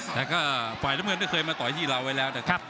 แต่ก็ฝ่ายน้ำเงินก็เคยมาต่อยที่เราไว้แล้วนะครับ